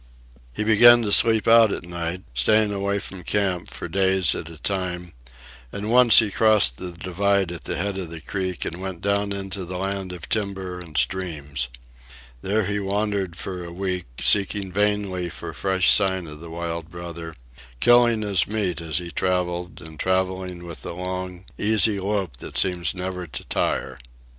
He began to sleep out at night, staying away from camp for days at a time; and once he crossed the divide at the head of the creek and went down into the land of timber and streams. There he wandered for a week, seeking vainly for fresh sign of the wild brother, killing his meat as he travelled and travelling with the long, easy lope that seems never to tire.